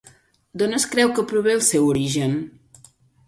D'on es creu que prové el seu origen?